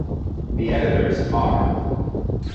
The editors are